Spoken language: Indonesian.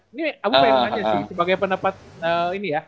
ini aku pengen nanya sih sebagai pendapat ini ya